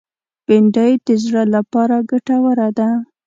بېنډۍ د زړه لپاره ګټوره ده